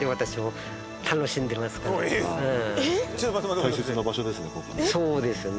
大切な場所ですね。